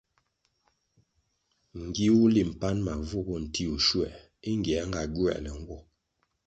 Ngiwuli mpan wa vu bo ntiwuh schuer é ngierga gywerle nwo.